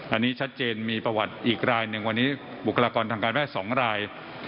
อันนี้ชัดเจนมีประวัติอีกรายหนึ่งวันนี้บุคลากรทางการแพทย์๒ราย